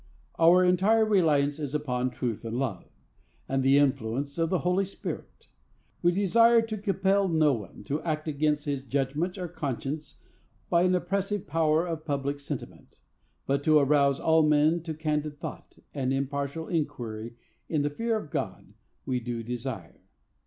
Our entire reliance is upon truth and love, and the influences of the Holy Spirit. We desire to compel no one to act against his judgment or conscience by an oppressive power of public sentiment; but to arouse all men to candid thought, and impartial inquiry in the fear of God, we do desire.